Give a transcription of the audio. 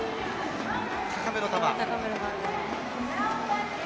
高めの球。